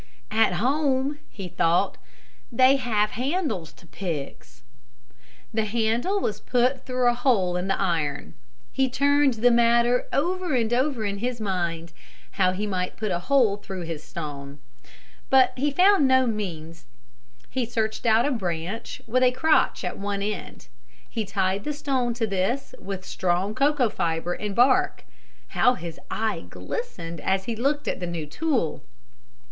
"At home," he thought, "they have handles to picks." The handle was put through a hole in the iron. He turned the matter over and over in his mind, how he might put a hole through the stone. But he found no means. He searched out a branch with a crotch at one end. He tied the stone to this with strong cocoa fiber and bark. How his eye glistened as he looked at the new tool!